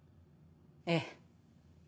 ええ。